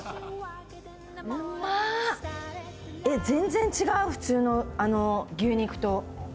全然違う普通の牛肉と。